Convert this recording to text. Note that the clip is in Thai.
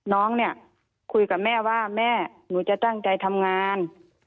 น้องเนี่ยคุยกับแม่ว่าแม่หนูจะตั้งใจทำงาน